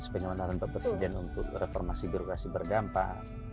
seperti pengembangan perbersihan untuk reformasi birokrasi berdampak